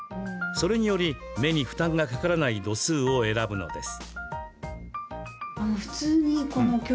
それにより目に負担がかからない度数を選ぶのです。